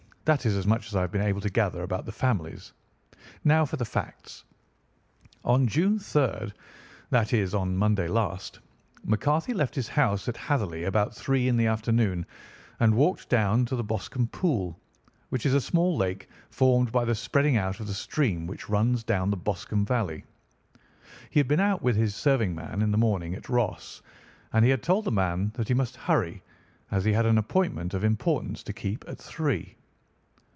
That is as much as I have been able to gather about the families. Now for the facts. "On June 3rd, that is, on Monday last, McCarthy left his house at Hatherley about three in the afternoon and walked down to the Boscombe Pool, which is a small lake formed by the spreading out of the stream which runs down the Boscombe Valley. He had been out with his serving man in the morning at Ross, and he had told the man that he must hurry, as he had an appointment of importance to keep at three.